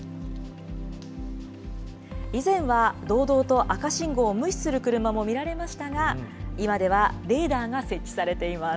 以前は堂々と赤信号を無視する車も見られましたが、今ではレーダーが設置されています。